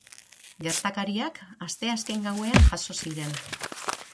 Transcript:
Gertakariak asteazken gauean jazo ziren.